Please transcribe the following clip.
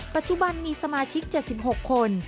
ปัจจุบันมีสมาชิก๗๖คน